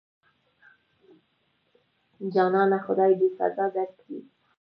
جانانه خدای دې سزا درکړي.